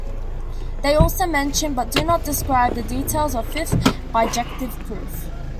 They also mention but do not describe the details of a fifth bijective proof.